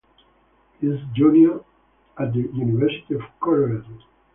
He is a junior at the University of Colorado.